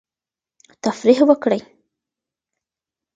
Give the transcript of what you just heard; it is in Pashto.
تفریح وکړئ.